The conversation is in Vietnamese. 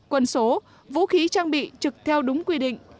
quân số vũ khí trang bị trực theo đúng quy định